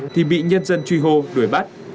thì bị nhân dân truy hô đuổi bắt